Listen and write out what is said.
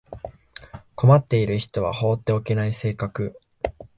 困っている人は放っておけない性格